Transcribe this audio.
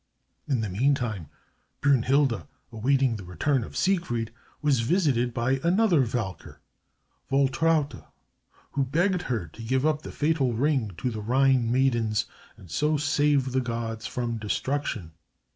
In the meantime, Brünnhilde, awaiting the return of Siegfried, was visited by another Valkyr, Waltraute, who begged her to give up the fatal ring to the Rhine maidens, and so save the Gods from destruction.